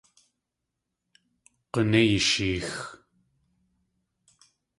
G̲unéi eesheex!